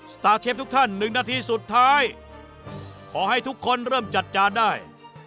สตาร์เชฟทุกท่านหนึ่งนาทีสุดท้ายขอให้ทุกคนเริ่มจัดจานได้